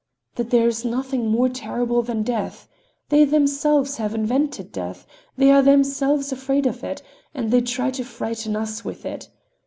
That there is nothing more terrible than death. They themselves have invented Death, they are themselves afraid of it, and they try to frighten us with it.